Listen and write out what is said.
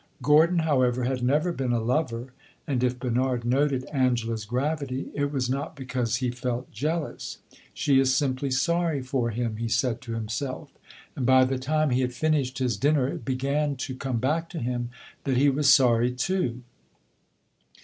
Gordon, however, had never been a lover, and if Bernard noted Angela's gravity it was not because he felt jealous. "She is simply sorry for him," he said to himself; and by the time he had finished his dinner it began to come back to him that he was sorry, too.